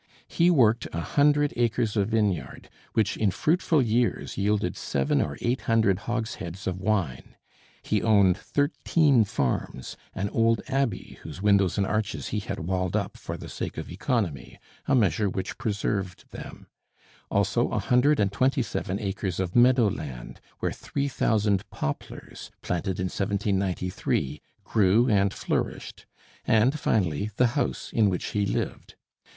He worked a hundred acres of vineyard, which in fruitful years yielded seven or eight hundred hogsheads of wine. He owned thirteen farms, an old abbey, whose windows and arches he had walled up for the sake of economy, a measure which preserved them, also a hundred and twenty seven acres of meadow land, where three thousand poplars, planted in 1793, grew and flourished; and finally, the house in which he lived.